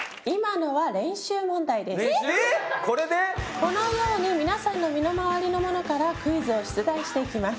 このように皆さんの身の回りのものからクイズを出題していきます。